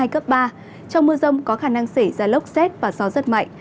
trong mưa rông có khả năng xảy ra lốc xét và gió rất mạnh